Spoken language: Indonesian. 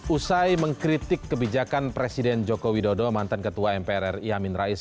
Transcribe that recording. usai mengkritik kebijakan presiden joko widodo mantan ketua mpr ri amin rais